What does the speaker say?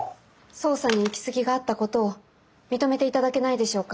捜査に行き過ぎがあったことを認めていただけないでしょうか？